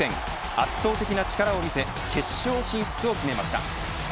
圧倒的な力を見せ決勝進出を決めました。